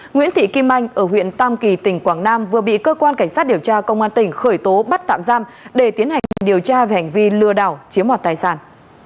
nguyễn thị kim anh ở huyện tam kỳ tỉnh quảng nam vừa bị cơ quan cảnh sát điều tra công an tỉnh khởi tố bắt tạm giam để tiến hành điều tra về hành vi lừa đảo chiếm mọt tài sản